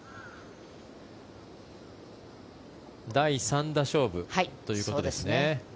第３打勝負ということですね。